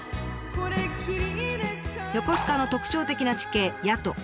横須賀の特徴的な地形谷戸。